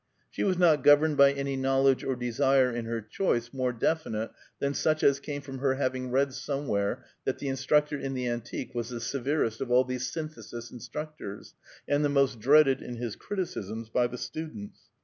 She was not governed by any knowledge or desire in her choice more definite than such as come from her having read somewhere that the instructor in the antique was the severest of all the Synthesis instructors, and the most dreaded in his criticisms by the students.